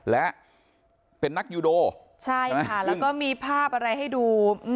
และเป็นนักยูโดใช่ค่ะแล้วก็มีภาพอะไรให้ดู